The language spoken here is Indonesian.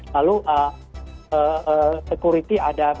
lalu security ada bssn